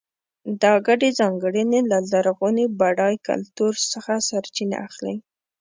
دا ګډې ځانګړنې له لرغوني بډای کلتور څخه سرچینه اخلي.